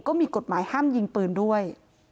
ก็มีกฎหมายห้ามยิงปืนด้วย